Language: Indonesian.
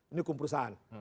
ini hukum perusahaan